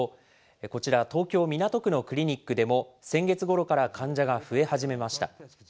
こちら、東京・港区のクリニックでも、先月ごろから患者が増え始めました。